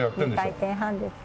２回転半です。